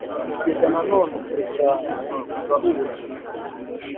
kugeza na none, kure cyane, turahura.